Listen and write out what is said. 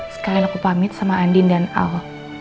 sekalian aku pamit sama andin dan al